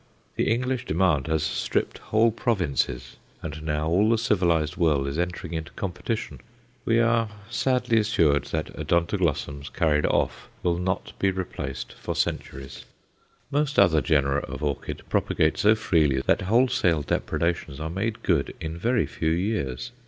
The English demand has stripped whole provinces, and now all the civilized world is entering into competition. We are sadly assured that Odontoglossums carried off will not be replaced for centuries. Most other genera of orchid propagate so freely that wholesale depredations are made good in very few years.